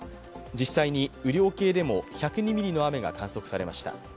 実際に雨量計でも１０２ミリの雨が観測されました。